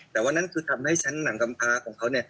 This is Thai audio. แต่ว่านั่นคือทำให้ชั้นหนังกำพาของเขา